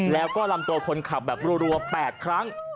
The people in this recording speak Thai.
แล้วก็ลำตัวคนขับแบบรัว๘ครั้ง